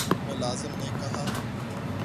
ملازم نے کہا